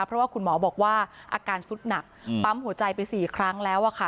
เพราะว่าคุณหมอบอกว่าอาการสุดหนักปั๊มหัวใจไป๔ครั้งแล้วอะค่ะ